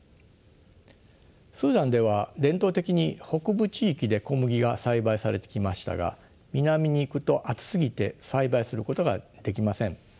スーダンでは伝統的に北部地域で小麦が栽培されてきましたが南に行くと暑すぎて栽培することができません。